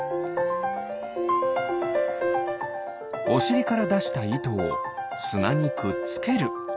おしりからだしたいとをすなにくっつける。